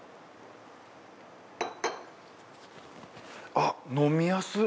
あっ飲みやすっ！